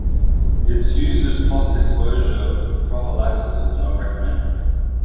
Its use as postexposure prophylaxis is not recommended.